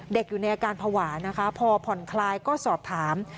อยู่ในอาการภาวะนะคะพอผ่อนคลายก็สอบถาม